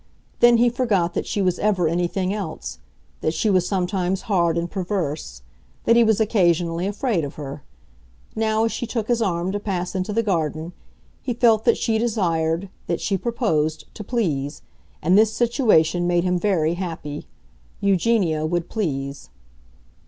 Then he forgot that she was ever anything else; that she was sometimes hard and perverse; that he was occasionally afraid of her. Now, as she took his arm to pass into the garden, he felt that she desired, that she proposed, to please, and this situation made him very happy. Eugenia would please.